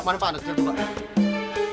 mana pak ada kejar tuh pak